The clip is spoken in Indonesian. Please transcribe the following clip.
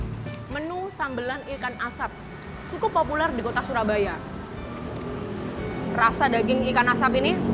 hai menu sambelan ikan asap cukup populer di kota surabaya rasa daging ikan asap ini